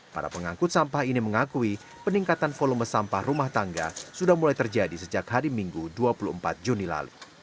para pengangkut sampah ini mengakui peningkatan volume sampah rumah tangga sudah mulai terjadi sejak hari minggu dua puluh empat juni lalu